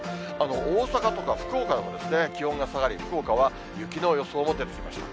大阪とか福岡も気温が下がり、福岡は雪の予想も出てきました。